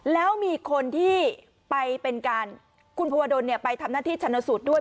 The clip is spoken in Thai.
แล้วมีคนที่ไปเป็นการคุณภูวดลไปทำหน้าที่ชนสูตรด้วย